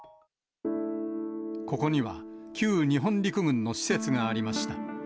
ここには旧日本陸軍の施設がありました。